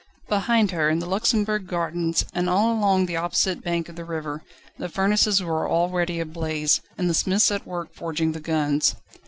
Behind her, in the Luxembourg Gardens, and all along the opposite bank of the river, the furnaces were already ablaze, and the smiths at work forging the guns.